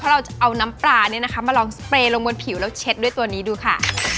เราจะเอาน้ำปลาเนี่ยนะคะมาลองสเปรย์ลงบนผิวแล้วเช็ดด้วยตัวนี้ดูค่ะ